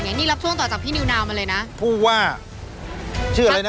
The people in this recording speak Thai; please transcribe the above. นี่รับช่วงต่อจากพี่นิวนาวมาเลยนะผู้ว่าชื่ออะไรนะ